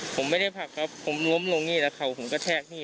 ผมไม่ได้ผลักครับผมล้มลงนี่แต่เข่าผมกระแทกนี่